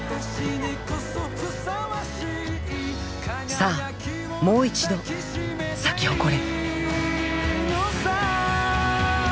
さあもう一度咲き誇れ。